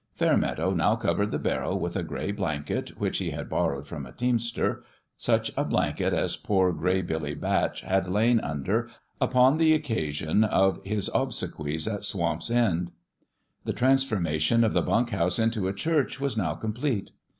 Fairmeadow now covered the barrel with a gray blanket, which he had borrowed from a teamster such a blanket as poor Gray Billy Batch had lain under upon the occasion of his obsequies at Swamp's End. The transformation of the bunk house into a church was now complete.